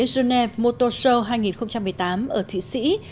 genèv motor show hai nghìn một mươi tám ở thụy sĩ